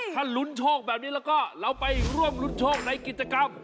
ถ้าลุ้นโชคแบบนี้แล้วก็เราไปร่วมรุ้นโชคในกิจกรรม